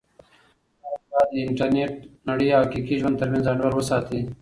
تاسو باید د انټرنیټي نړۍ او حقیقي ژوند ترمنځ انډول وساتئ.